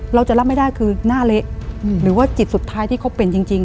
เราจะรับไม่ได้คือหน้าเละหรือว่าจิตสุดท้ายที่เขาเป็นจริง